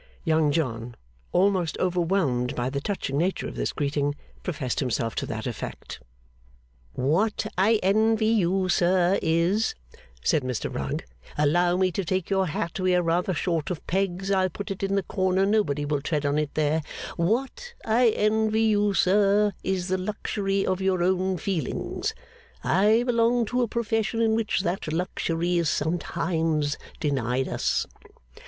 Young John, almost overwhelmed by the touching nature of this greeting, professed himself to that effect. 'What I envy you, sir, is,' said Mr Rugg, 'allow me to take your hat we are rather short of pegs I'll put it in the corner, nobody will tread on it there What I envy you, sir, is the luxury of your own feelings. I belong to a profession in which that luxury is sometimes denied us.